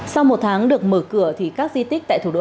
sau một tháng được mở cửa